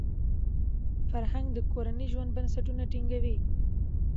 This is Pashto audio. فرهنګ د کورني ژوند بنسټونه ټینګوي.